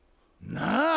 「なあ？」